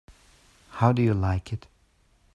How do you like it?